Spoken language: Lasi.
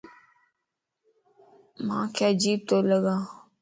مانک عجيب تو لڳا